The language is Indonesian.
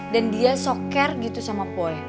dan dia soker gitu sama boy